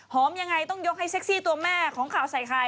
ยังไงต้องยกให้เซ็กซี่ตัวแม่ของข่าวใส่ไข่